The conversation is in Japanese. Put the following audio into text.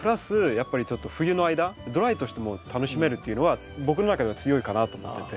やっぱりちょっと冬の間ドライとしても楽しめるっていうのは僕の中では強いかなと思ってて。